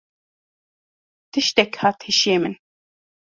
Tiştek hat hişê min.